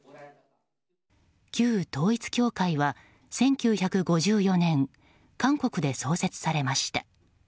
旧統一教会は１９５４年韓国で創設されました。